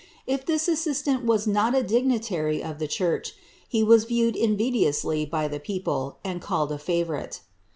If this assistant was not a dignitary of the church, he was viewed invidiously by the people, and called t favourite.